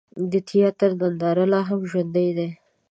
د تیاتر نندارې لا هم ژوندۍ دي.